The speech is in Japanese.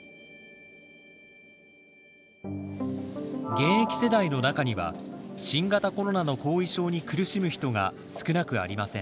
現役世代の中には新型コロナの後遺症に苦しむ人が少なくありません。